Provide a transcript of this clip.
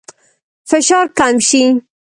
فشار کم شي.